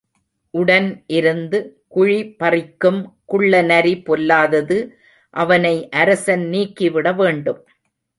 உடன் இருந்து குழிபறிக்கும் குள்ளநரி பொல்லாதது அவனை அரசன் நீக்கிவிட வேண்டும்.